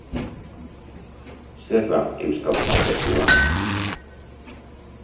Zer da euskal kontzertua?